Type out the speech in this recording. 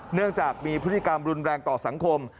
เนื่องจากมีพฤติกรรมรุนแรงต่อสังคม